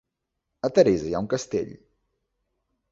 A Teresa hi ha un castell?